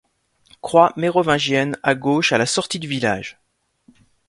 Croix mérovingienne à gauche à la sortie du village.